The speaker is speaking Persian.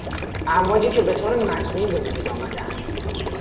امواجی که به طور مصنوعی به وجود آمدهاند